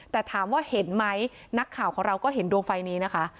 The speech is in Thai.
แต่ถามว่าเห็นไหมนักข่าวของเราก็เห็นดวงไฟนี้นะคะ